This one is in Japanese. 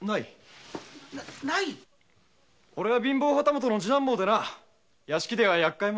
おれは貧乏旗本の次男坊でな屋敷ではやっかい者。